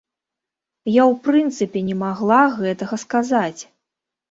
Я ў прынцыпе не магла гэтага сказаць!